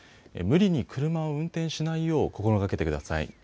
無理に車を運転しないよう心がけてください。